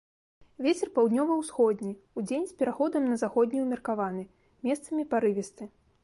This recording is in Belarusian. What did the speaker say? Вецер паўднёва-ўсходні, удзень з пераходам на заходні ўмеркаваны, месцамі парывісты.